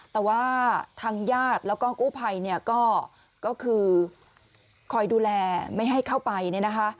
แต่ว่าทางญาติแล้วก็กู้ภัยเนี่ยก็คือคอยดูแลไม่ให้เข้าไปเนี่ยนะคะ